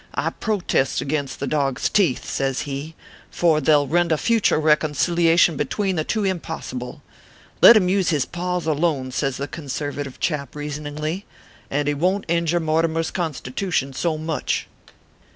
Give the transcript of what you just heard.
I protest against the dog s teeth," says he ;" for they ll render future reconciliation be tween the two impossible. Let him use his paws alone," says the conservative chap, reasoningly, " and he won t injure Mortimer s constitution so much.